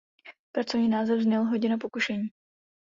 Pracovní název zněl "Hodina pokušení".